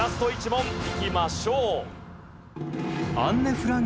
いきましょう。